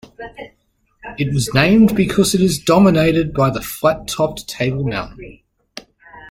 It was named because it is dominated by the flat-topped Table Mountain.